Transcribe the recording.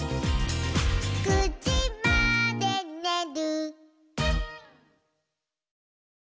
「９じまでにねる」